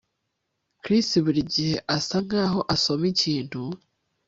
Chris buri gihe asa nkaho asoma ikintu